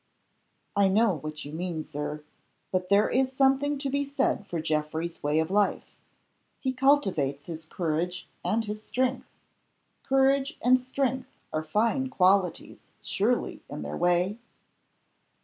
"I know what you mean, Sir. But there is something to be said for Geoffrey's way of life. He cultivates his courage and his strength. Courage and strength are fine qualities, surely, in their way?"